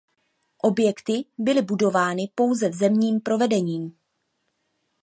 Objekty byly budovány pouze v zemním provedení.